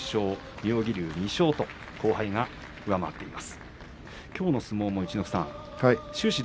妙義龍２勝と後輩が上回っています。